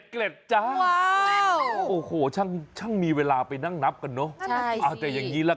เกล็ดจ้าวโอ้โหช่างมีเวลาไปนั่งนับกันเนอะเอาแต่อย่างนี้ละกัน